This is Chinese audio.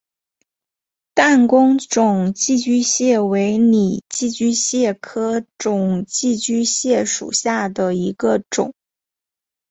弹弓肿寄居蟹为拟寄居蟹科肿寄居蟹属下的一个种。